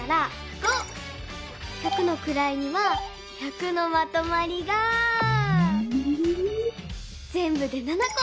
百のくらいには１００のまとまりがぜんぶで７こ。